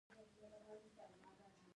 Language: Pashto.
د بارهنګ تخم د څه لپاره وکاروم؟